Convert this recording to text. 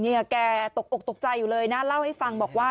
แกตกอกตกใจอยู่เลยนะเล่าให้ฟังบอกว่า